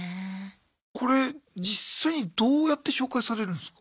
これ実際にどうやって紹介されるんすか？